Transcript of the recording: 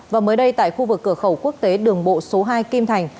và mới đây tại khu vực cửa khẩu quốc tế đường bộ số hai kim thành